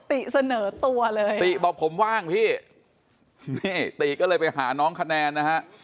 ติเสนอตัวเลยติบอกผมว่างพี่นี่ติก็เลยไปหาน้องคะแนนนะฮะ